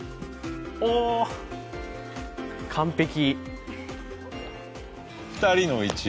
おお、完璧。